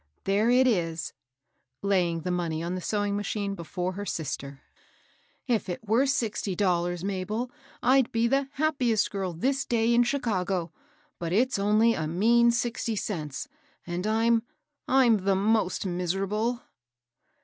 There it is," laying the money on the sewing macbine before her sister. " If it were sixty dolr THE LAST BOIXAB. 217 la/rSy Mabel, I'd be the happiest girl this day in Chicago ; but it's only a mean sixty cents, and Fm — I'm the most miserable."